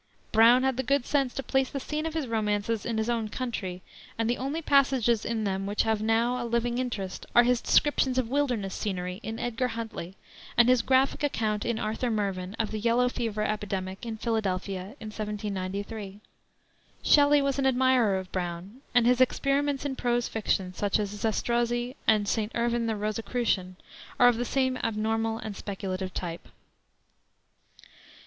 Brown had the good sense to place the scene of his romances in his own country, and the only passages in them which have now a living interest are his descriptions of wilderness scenery in Edgar Huntley, and his graphic account in Arthur Mervyn of the yellow fever epidemic in Philadelphia in 1793. Shelley was an admirer of Brown, and his experiments in prose fiction, such as Zastrozzi and St. Irvyne the Rosicrucian, are of the same abnormal and speculative type.